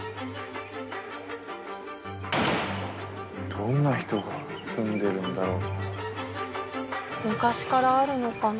どんな人が住んでるんだろう？